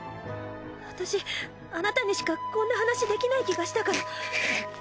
私あなたにしかこんな話できない気がしたから。